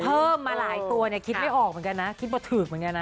เพิ่มมาหลายตัวเนี่ยคิดไม่ออกเหมือนกันนะคิดว่าถูกเหมือนกันนะ